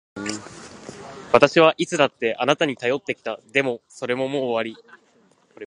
私はいつだってあなたに頼ってきた。でも、それももう終わり。